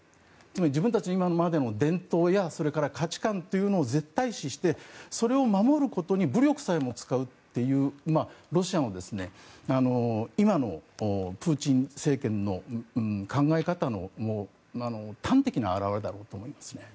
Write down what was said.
つまり、自分たちの今までの伝統や価値観というのを絶対視してそれを守ることに武力さえも使うというロシアの今のプーチン政権の考え方の端的な表れだろうと思います。